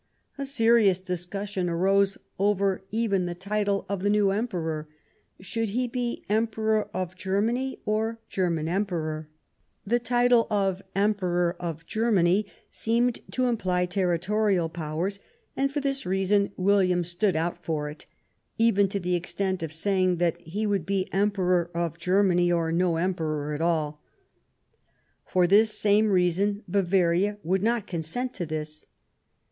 A serious discussion arose over even the title of the new Emperor ; should it be Emperor of Germany, or German Emperor ? The title of Emperor of Germany seemed to imply territorial powers ; and for this reason William stood out for it, even to the extent of saying that he would be Emperor of Germany or no Emperor at all. For this same reason Bavaria would not consent to this.